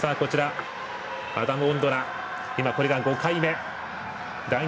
アダム・オンドラ、５回目。